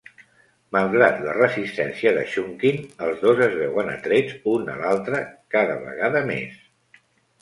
Malgrat la resistència de Shunkin, els dos es veuen atrets un a l'altre cada vegada més.